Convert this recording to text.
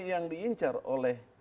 yang diincar oleh